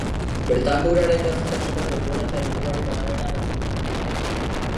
Bertako uraren gazitasuna denbora eta lekuaren arabera aldatzen da.